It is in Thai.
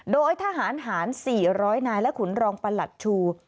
โดยทหารหาร๔๐๐นายและขุนรองประหลัดชู